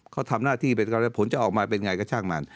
เขาทำหน้าที่เป็นกรรมแล้วผลจะออกมาเป็นไงก็ช่างมัน